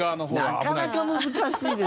なかなか難しいですよ。